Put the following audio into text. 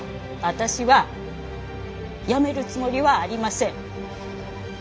私は辞めるつもりはありません。